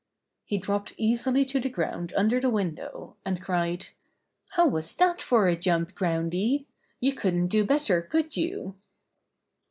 He dropped easily to the ground under the window, and cried: ^^How was that for a jump, Groundy! You couldn't do better, could you?"